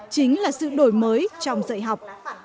chính là sự đổi mới trong dạy học